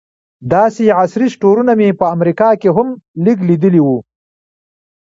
داسې عصري سټورونه مې په امریکا کې هم لږ لیدلي وو.